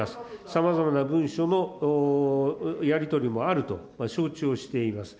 さまざまな文書のやり取りもあると承知をしています。